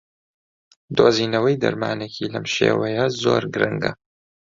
دۆزینەوەی دەرمانێکی لەم شێوەیە زۆر گرنگە